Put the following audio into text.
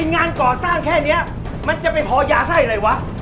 งานก่อสร้างแค่นี้มันจะไปพอยาไส้อะไรวะ